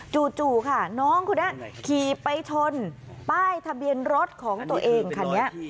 จู่ค่ะน้องคนนี้ขี่ไปชนป้ายทะเบียนรถของตัวเองคันนี้